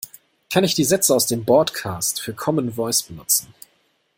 Kann ich die Sätze aus dem Bordcast für Commen Voice benutzen?